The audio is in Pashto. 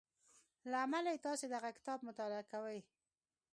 له امله يې تاسې دغه کتاب مطالعه کوئ.